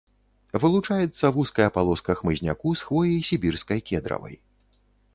Вылучаецца вузкая палоска хмызняку з хвоі сібірскай кедравай.